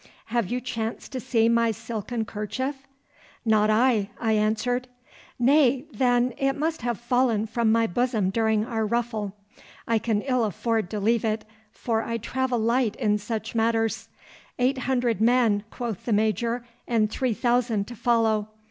Have you chanced to see my silken kerchief?' 'Not I,' I answered. 'Nay, then, it must have fallen from my bosom during our ruffle. I can ill afford to leave it, for I travel light in such matters. Eight hundred men, quoth the major, and three thousand to follow.